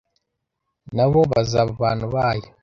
na bo bazaba abantu bayo